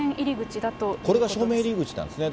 これが正面入り口なんですね。